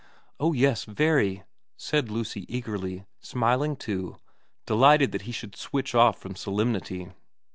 4 Oh yes very,' said Lucy eagerly, smiling too, delighted that he should switch off from solemnity.